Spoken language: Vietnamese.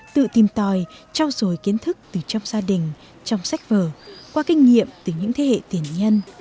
tự tìm tòi trao dồi kiến thức từ trong gia đình trong sách vở qua kinh nghiệm từ những thế hệ tiền nhân